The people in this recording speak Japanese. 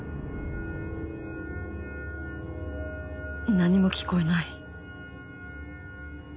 何も聞こえない